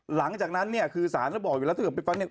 หลังจากนั้นเนี่ยคือสารก็บอกอยู่แล้วถ้าเกิดไปฟังเนี่ย